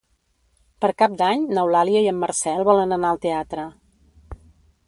Per Cap d'Any n'Eulàlia i en Marcel volen anar al teatre.